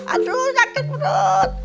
aduh sakit perut